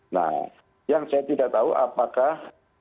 nah yang saya tidak tahu apakah